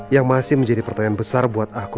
yang masih menjadi pertanyaan besar buat aku